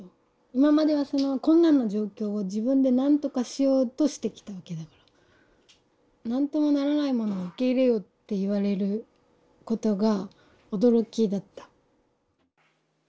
今まではその困難な状況を自分でなんとかしようとしてきたわけだから。何ともならないものを受け入れよって言われることが驚きだった。